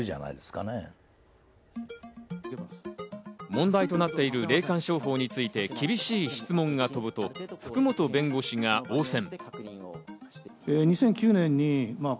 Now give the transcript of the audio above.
問題となっている霊感商法について厳しい質問が飛ぶと福本弁護士が応戦。